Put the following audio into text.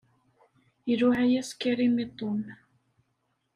Iluɛa-yas Karim i Tom.